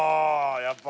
やっぱり。